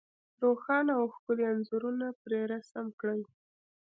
روښانه او ښکلي انځورونه پرې رسم کړي.